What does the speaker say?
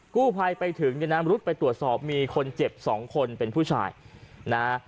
กู้ภัยไปถึงจะนำรถไปตรวจสอบมีคนเจ็บ๒คนเป็นผู้ชายนะฮะ